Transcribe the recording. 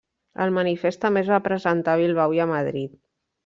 El manifest també es va presentar a Bilbao i a Madrid.